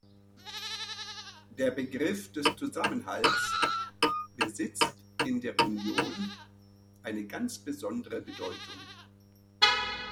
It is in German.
Der Begriff des Zusammenhalts besitzt in der Union eine ganz besondere Bedeutung.